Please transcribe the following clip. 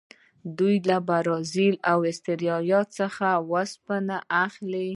دوی له برازیل او اسټرالیا څخه اوسپنه اخلي.